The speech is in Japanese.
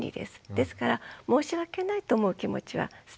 ですから申し訳ないと思う気持ちは捨てていいんです。